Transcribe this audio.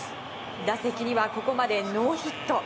打席にはここまでノーヒット。